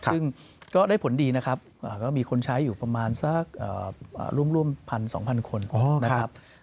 ซึ่งก็ได้ผลดีนะครับก็มีคนใช้อยู่ประมาณสักร่วม๑๒๐๐คนนะครับ